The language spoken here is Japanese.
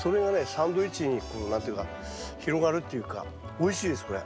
サンドイッチに何て言うのか広がるっていうかおいしいですこれ。